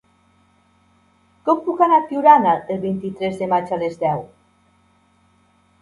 Com puc anar a Tiurana el vint-i-tres de maig a les deu?